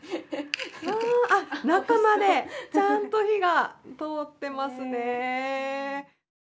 ああっ中までちゃんと火が通ってますね。